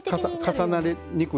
重なりにくい。